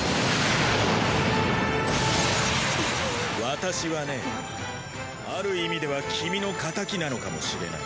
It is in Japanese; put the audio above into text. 私はねある意味では君の敵なのかもしれない。